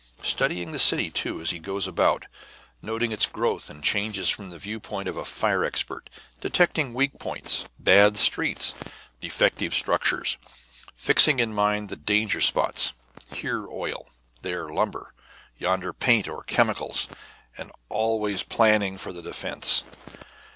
Studying the city, too, as he goes about, noting its growth and changes from the view point of a fire expert, detecting weak points, bad streets, defective structures, fixing in mind the danger spots, here oil, there lumber, yonder paint or chemicals, and planning always for the defense.